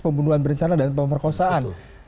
pembunuhan berencana dan pemperkosaan